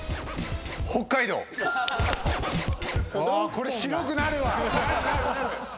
これ白くなるわ！